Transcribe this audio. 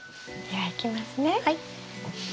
はい。